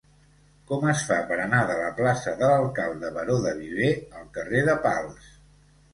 Com es fa per anar de la plaça de l'Alcalde Baró de Viver al carrer de Pals?